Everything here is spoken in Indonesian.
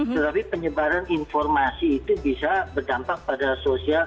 tetapi penyebaran informasi itu bisa berdampak pada sosial